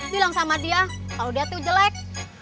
bilang sama dia kalau dia tuh jelek